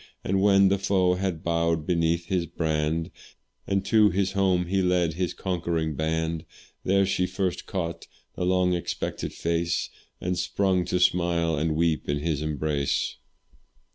And when the foe had bowed beneath his brand, And to his home he led his conquering band, There she first caught his long expected face, And sprung to smile and weep in his embrace.